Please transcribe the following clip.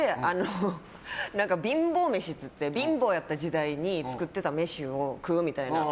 貧乏飯って言って貧乏やった時代に作ってた飯を食うみたいな。